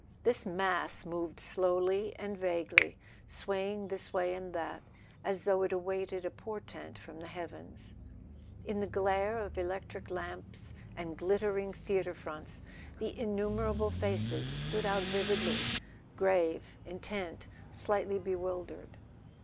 This mass moved slowly and vaguely, swaying this way and that, as though it awaited a portent from the heavens. In the glare of electric lamps and glitter¬ ing theatre fronts the innumerable faces stood out vividly, grave, intent, slightly bewildered.